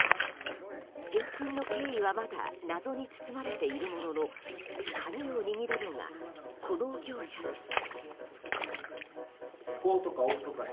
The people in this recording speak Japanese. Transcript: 返金の経緯はまだ謎に包まれているものの鍵を握るのが、この業者です。